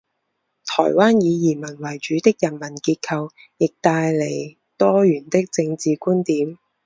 台湾以移民为主的人文结构，亦带来多元的政治观点。